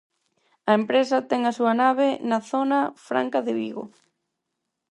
A empresa ten a súa nave na Zona Franca de Vigo.